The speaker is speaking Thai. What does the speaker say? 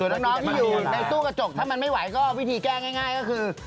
น้องที่อยู่ในตู้กระจกถ้ามันไม่ไหวก็วิธีแก้ง่ายก็คือ